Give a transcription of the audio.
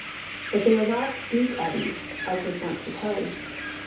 But they are not dee]) eddies, as was once supposed.